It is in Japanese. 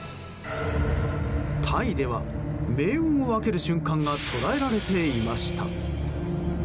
タイでは、命運を分ける瞬間が捉えられていました。